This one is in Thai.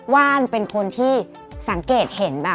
ว่านเป็นคนที่สังเกตเห็นแบบ